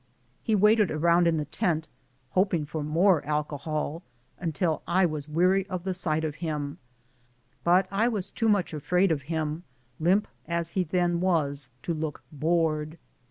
He waited around in the tent, hoping for more alcohol, until I was weary of the sight of him ; but I was too much afraid of him, limp as he then was, to look bored.